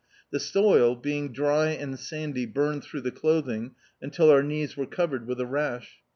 The soil, being dry and sandy burned throu^ the clothing until our knees were covered with a rash.